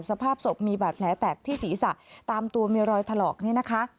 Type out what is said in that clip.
สภาพศพมีบาดแผลแตกที่ศีรษะตามตัวมีรอยถลอกนี้นะคะ